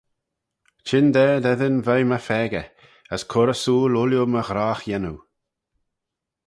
Chyndaa dt'eddin veih my pheccah: as cur ersooyl ooilley my ghrogh-yannoo.